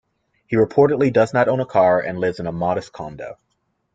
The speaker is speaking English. He reportedly does not own a car and lives in a modest condo.